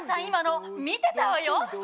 今の見てたわよ